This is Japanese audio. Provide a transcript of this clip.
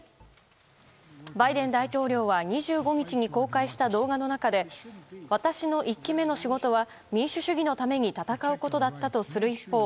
バイデン大統領は２５日に公開した動画の中で私の１期目の仕事は民主主義のために戦うことだったとする一方